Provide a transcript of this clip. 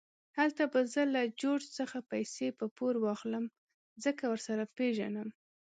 هلته به زه له جورج څخه پیسې په پور واخلم، ځکه ورسره پېژنم.